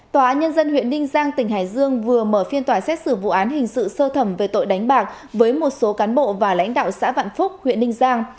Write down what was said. tòa án nhân dân huyện ninh giang tỉnh hải dương vừa mở phiên tòa xét xử vụ án hình sự sơ thẩm về tội đánh bạc với một số cán bộ và lãnh đạo xã vạn phúc huyện ninh giang